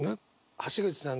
橋口さん